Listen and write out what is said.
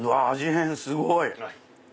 変すごい！